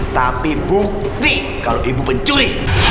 tapi bukti kalau ibu pencuri